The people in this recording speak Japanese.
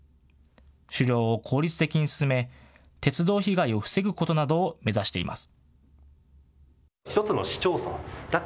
狩猟を効率的に進め、鉄道被害を防ぐことなどを目指しています。